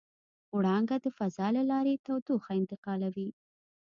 وړانګه د فضا له لارې تودوخه انتقالوي.